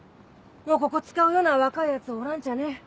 もうここ使うような若いヤツはおらんちゃね。